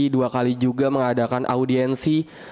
dua kali juga mengadakan audiensi